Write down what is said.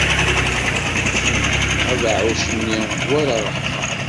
Temḥeq abeɛɛuc-nni war ṛṛeḥma.